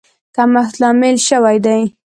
کمښت لامل شوی دی.